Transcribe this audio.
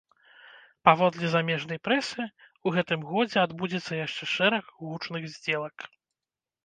Паводле замежнай прэсы, у гэтым годзе адбудзецца яшчэ шэраг гучных здзелак.